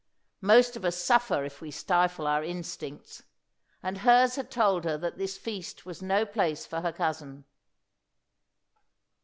Most of us suffer if we stifle our instincts; and hers had told her that this feast was no place for her cousin.